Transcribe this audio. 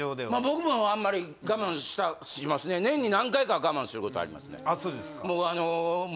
僕もあんまり我慢しますね年に何回かは我慢することありますね